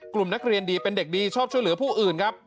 กลุ่มนักเรียนดีเป็นเด็กดีชอบช่วยเหลือผู้อื่นครับ